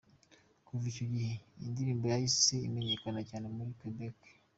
Kuva icyo gihe, iyi ndirimbo yahise imenyekana cyane muri Quebec.